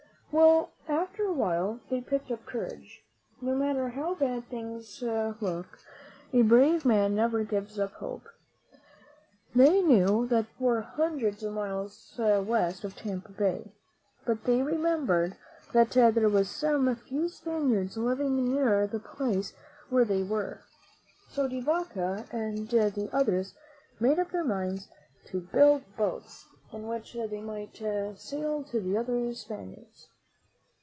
Well, after a while they picked up courage. No matter how bad things look, a brave man never gives up hope. They knew that they were hundreds of miles west of Tampa Bay, but they remembered that there were some few Spaniards living near the place where they were. So De Vaca and the others made up their minds to it); :;\;> s^ /■' 71 MEN WHO FOUND AMERICA build boats in which they might sail to the other Spaniards.